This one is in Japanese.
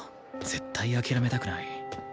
絶対諦めたくない